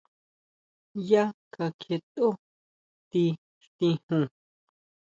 Yá kakjietʼó ti xtijun.